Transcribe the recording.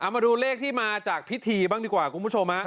มาดูเลขที่มาจากพิธีบ้างดีกว่าคุณผู้ชม